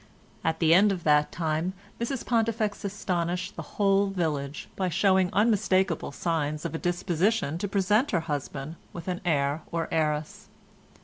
At the end of that time Mrs Pontifex astonished the whole village by showing unmistakable signs of a disposition to present her husband with an heir or heiress.